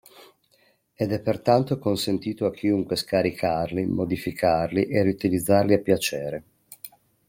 Ed è pertanto consentito a chiunque scaricarli, modificarli e riutilizzarli a piacere.